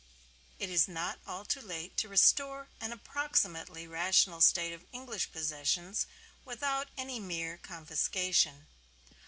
It is not at all too late to restore an approximately rational state of English possessions without any mere confiscation.